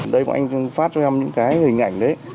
đây anh cũng phát cho em những hình ảnh đấy